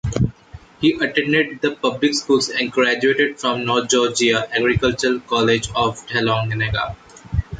He attended the public schools and graduated from North Georgia Agricultural College in Dahlonega.